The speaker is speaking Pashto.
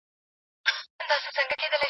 زما په مرګ دي خوشالي زاهدان هيڅ نکوي